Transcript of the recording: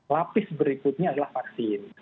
lapis berikutnya adalah vaksin